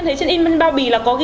em thấy trên inman bao bì là có ghi